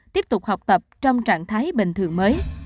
tiếp tục học tập trong trạng thái bình thường mới